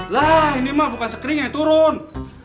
lah ini mah bukan sekeringnya turun